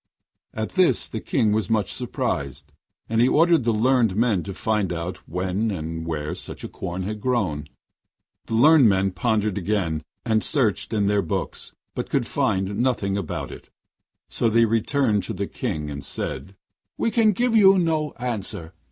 At this the King was much surprised; and he ordered the learned men to find out when and where such corn had grown. The learned men pondered again, and searched in their books, but could find nothing about it. So they returned to the King and said: 'We can give you no answer.